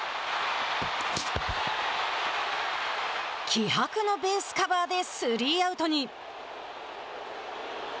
気迫のベースカバーでスリーアウトに。